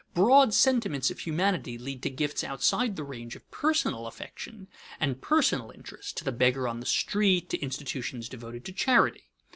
Broad sentiments of humanity lead to gifts outside the range of personal affection and personal interest, to the beggar on the street, to institutions devoted to charity.